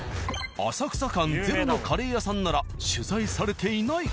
浅草感ゼロのカレー屋さんなら取材されていないか？